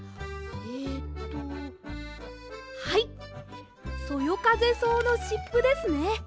えっとはいそよかぜそうのしっぷですね。